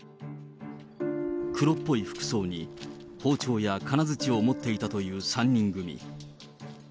黒っぽい服装に包丁や金づちを持っていたという３人組。